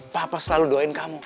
papa selalu doain kamu